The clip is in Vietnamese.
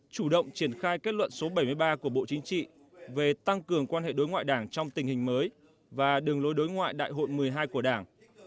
chủ động triển khai kết luận số bảy mươi ba của bộ chính trị về tăng cường quan hệ đối ngoại đảng trong tình hình mới và đường lối đối ngoại đại hội một mươi hai của đảng